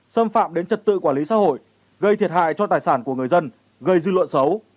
xâm phạm đến trật tự quản lý xã hội gây thiệt hại cho tài sản của người dân gây dư luận xấu